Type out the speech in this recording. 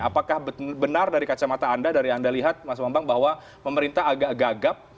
apakah benar dari kacamata anda dari yang anda lihat mas bambang bahwa pemerintah agak gagap